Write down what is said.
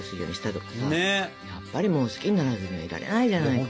やっぱりもう好きにならずにはいられないじゃないの。